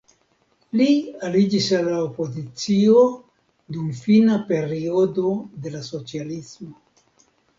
Li aliĝis al la opozicio dum fina periodo de la socialismo.